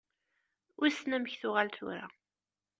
Wissen amek tuɣal tura.